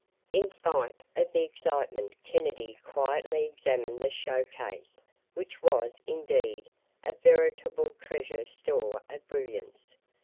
In spite of the excitement, Kennedy quietly examined the show case, which was, indeed, a veritable treasure store of brilliants.